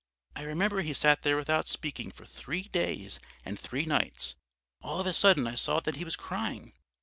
I remember he sat there without speaking for three days and three nights; all of a sudden I saw that he was crying.